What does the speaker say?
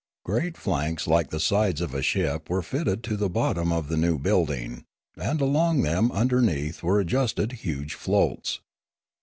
Great flanks like the sides of a ship were fitted to the bottom of the new building, and along them underneath were adjusted huge floats.